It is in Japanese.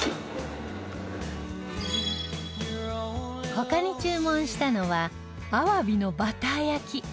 他に注文したのは鮑のバター焼き